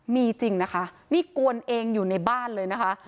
มีจริงนะคะนี่กวนเองอยู่ในบ้านเลยนะคะ